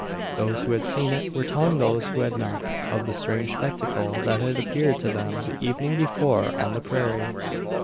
Those who had seen it, were telling those who had not of the strange spectacle that had appeared to them the evening before on the prairie.